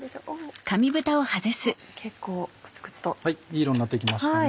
いい色になって来ましたね。